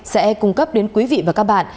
sẽ cung cấp đến quý vị và các bạn